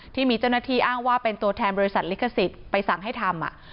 ที่มีเจ้าหน้าที่อ้างว่าเป็นตัวแทนบริษัทลิขสิทธิ์ไปสั่งให้ทำ